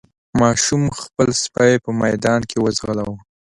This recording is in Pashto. ماشوم خپل سپی په ميدان کې وځغلاوه.